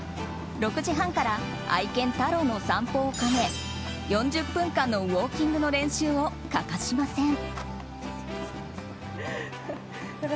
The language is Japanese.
６時半から愛犬タローの散歩を兼ね４０分間のウォーキングの練習を欠かしません。